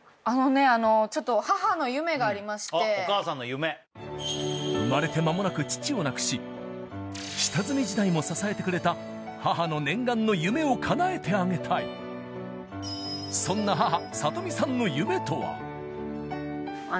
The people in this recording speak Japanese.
あのねちょっと母の夢がありまして生まれて間もなく父を亡くし下積み時代も支えてくれた母の念願の夢をかなえてあげたいそんな母智実さんの夢とは？